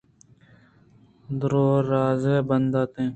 دروازگ بنداَت